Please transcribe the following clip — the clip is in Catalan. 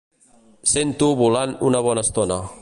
Cent u volant una bona estona.